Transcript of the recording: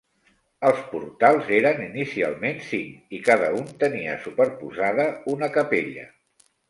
Els portals eren inicialment cinc i cada un tenia superposada una capella.